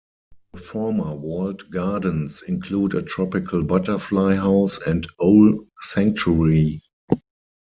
The former walled gardens include a tropical butterfly house and owl sanctuary.